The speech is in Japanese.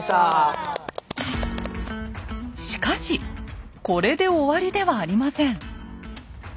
しかしこれで終わりではありません。